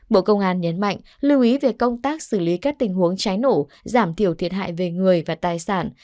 bộ công an nhấn mạnh lưu ý về công tác xử lý các tình huống cháy nổ giảm thiểu thiệt hại về người và tài sản